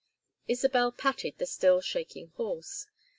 Isabel patted the still shaking horse.